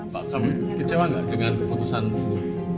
pak kamu kecewa gak dengan kesempatan itu